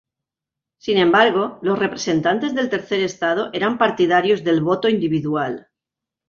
Sin embargo, los representantes del Tercer estado eran partidarios del voto individual.